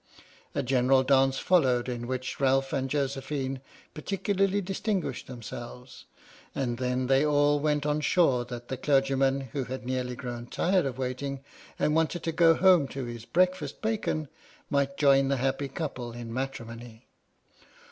A general dance fol lowed in which Ralph and Josephine particularly distinguished themselves, and then they all went on shore that the clergyman (who had nearly grown tired of waiting and wanted to go home to his breakfast bacon) might join the happy couple in matrimony.